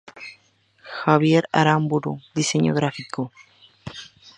Javier Aramburu: diseño gráfico.